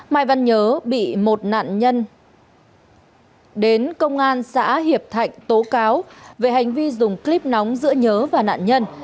mai văn nhớ bị một nạn nhân đến công an xã hiệp thạnh tố cáo về hành vi dùng clip nóng giữa nhớ và nạn nhân